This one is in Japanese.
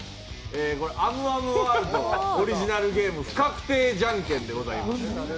あむあむＷＯＲＬＤのオリジナルゲーム不確定じゃんけんでございます。